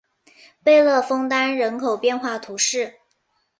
贝勒枫丹人口变化图示